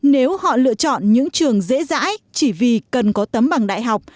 nếu họ lựa chọn những trường dễ dãi chỉ vì cần có tấm bằng đại học